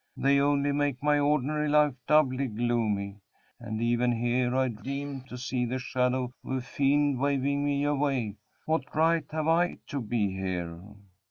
They only make my ordinary life doubly gloomy and even here I deem to see the shadow of a fiend waving me away. What right have I to be here?"